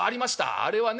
「あれはね